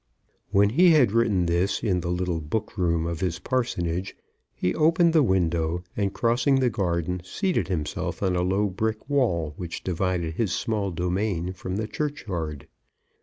When he had written this in the little book room of his parsonage he opened the window, and, crossing the garden, seated himself on a low brick wall, which divided his small domain from the churchyard.